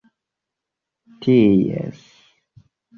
ties